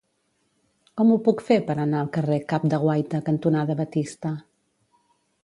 Com ho puc fer per anar al carrer Cap de Guaita cantonada Batista?